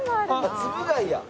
つぶ貝や。